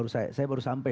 saya baru sampai